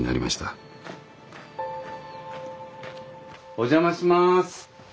お邪魔します。